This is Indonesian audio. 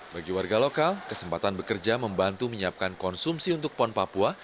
bagi warga lokal kesempatan bekerja membantu menyiapkan konsumsi untuk pon papua